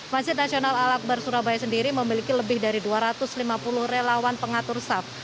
masjid nasional al akbar surabaya sendiri memiliki lebih dari dua ratus lima puluh relawan pengatur saf